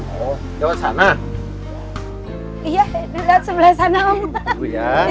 kenalin teman teman aku